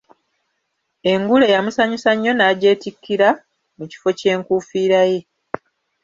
Engule yamusanyusa nnyo n'agyetikkira mu kifo ky'enkuufiira ye.